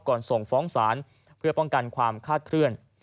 ส่งฟ้องศาลเพื่อป้องกันความคาดเคลื่อน